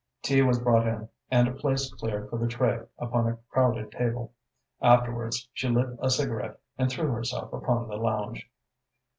Tea was brought in, and a place cleared for the tray upon a crowded table. Afterwards she lit a cigarette and threw herself upon the lounge.